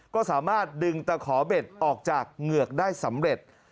ก็สามารถดึงตะขอเบ็ดออกจากเหงือกได้สำเร็จ